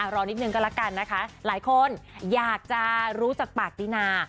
รอนิดนึงก็แล้วกันนะคะหลายคนอยากจะรู้จากปากตินา